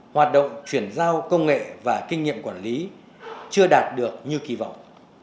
hoạt động chuyển giao công nghệ và kinh nghiệm quản lý chưa đạt được như kỳ vọng